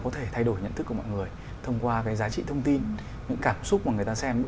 có thể đưa ra những